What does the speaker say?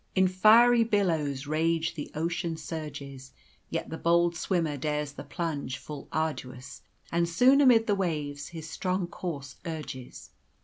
"In fiery billows rage the ocean surges, Yet the bold swimmer dares the plunge full arduous, And soon amid the waves his strong course urges.